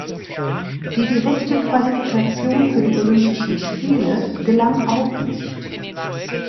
Die direkte Qualifikation für die Olympischen Spiele gelang auch nicht.